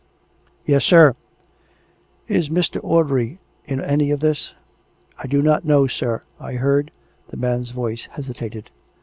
" Yes, sir." " Is Mr. Audrey in any of this ?"" I do not know, sir. ... I heard " The man's voice hesitated.